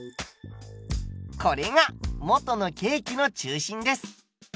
これが元のケーキの中心です。